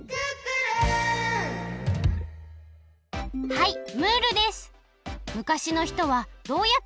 はいムールです。